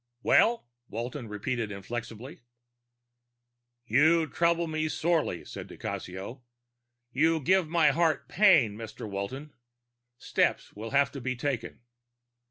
"Well?" Walton repeated inflexibly. "You trouble me sorely," said di Cassio. "You give my heart pain, Mr. Walton. Steps will have to be taken."